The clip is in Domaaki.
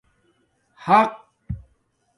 حَق